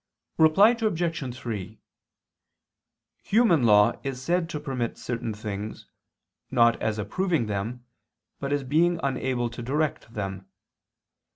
Reply Obj. 3: Human law is said to permit certain things, not as approving them, but as being unable to direct them.